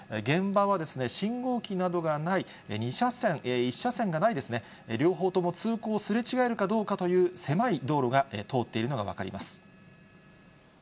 現場は信号機などがない、２車線、１車線がないですね、両方とも通行、すれ違えるかどうかという狭い道路が通っているのが分かります。